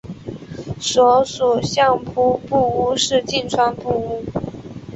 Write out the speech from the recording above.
所属相扑部屋是境川部屋。